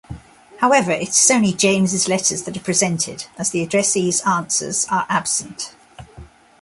However, it's only James' letters that are presented, as the addressee's answers are absent.